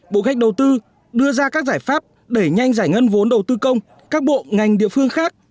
bộ khách đầu tư đưa ra các giải pháp đẩy nhanh giải ngân vốn đầu tư công các bộ ngành địa phương khác